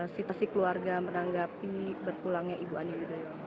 situasi keluarga menanggapi berpulangnya ibu ani yudhoyono